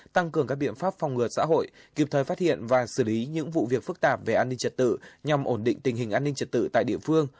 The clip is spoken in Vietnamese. tăng cường các biện pháp phòng ngừa xã hội kịp thời phát hiện và xử lý những vụ việc phức tạp về an ninh trật tự nhằm ổn định tình hình an ninh trật tự tại địa phương